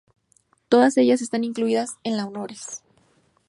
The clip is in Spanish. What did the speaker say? Todas ellas están incluidas en la honores